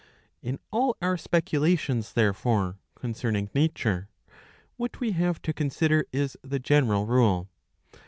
"In all our speculations, therefore, concerning Nature, what we have"^ to consider is the genejal rule.